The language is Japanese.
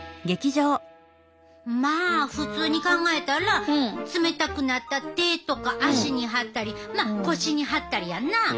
まあ普通に考えたら冷たくなった手とか足に貼ったりまあ腰に貼ったりやんな。